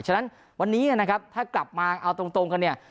ฉะนั้นวันนี้นะครับถ้ากลับมาเอาตรงกันเนี่ย